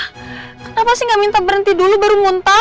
kenapa sih nggak minta berhenti dulu baru muntah